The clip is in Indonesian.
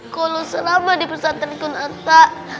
kalau selama dipesantri kunat tak